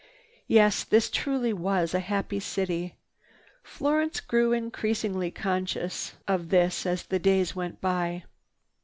Yes, this truly was a happy city. Florence grew increasingly conscious of this as the days went by.